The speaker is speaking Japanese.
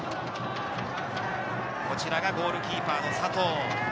こちらがゴールキーパーの佐藤。